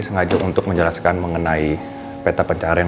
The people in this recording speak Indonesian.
sengaja untuk menjelaskan mengenai peta pencarian